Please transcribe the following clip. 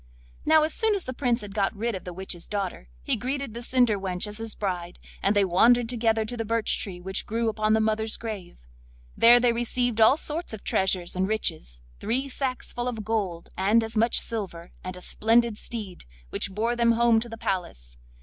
Now, as soon as the Prince had got rid of the witch's daughter he greeted the cinder wench as his bride, and they wandered together to the birch tree which grew upon the mother's grave. There they received all sorts of treasures and riches, three sacks full of gold, and as much silver, and a splendid steed, which bore them home to the palace.